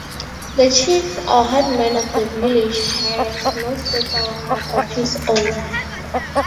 The chief or headman of the village has no special hut of his own.